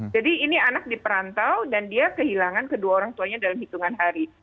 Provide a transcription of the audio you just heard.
jadi ini anak di perantau dan dia kehilangan kedua orang tuanya dalam hitungan hari